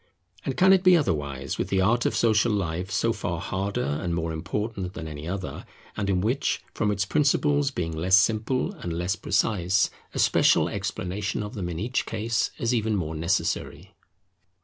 And can it be otherwise with the art of Social Life, so far harder and more important than any other, and in which, from its principles being less simple and less precise, a special explanation of them in each case is even more necessary?